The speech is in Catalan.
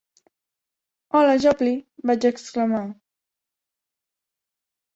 "Hola, Jopley", vaig exclamar.